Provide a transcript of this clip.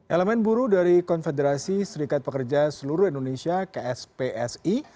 elemen buruh dari konfederasi serikat pekerja seluruh indonesia kspsi